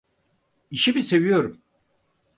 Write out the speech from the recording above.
İşimi seviyorum.